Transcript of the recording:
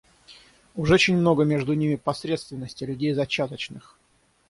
Уж очень много между ними посредственностей, людей зачаточных.